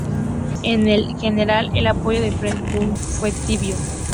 En general, el apoyo de Feng a Guo fue tibio.